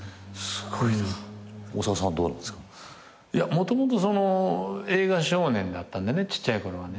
もともと映画少年だったんでねちっちゃい頃はね。